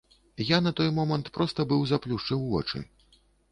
Я на той момант проста быў заплюшчыў вочы.